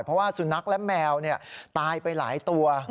เพราะว่าสุนัขและแมวตายไปหลายตัว